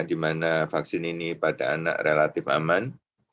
di mana vaksin ini pada anak relatif aman